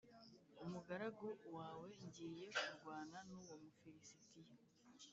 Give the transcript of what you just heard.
umugaragu wawe ngiye kurwana n’uwo Mufilisitiya.